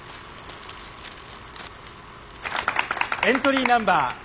エントリーナンバー